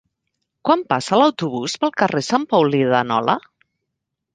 Quan passa l'autobús pel carrer Sant Paulí de Nola?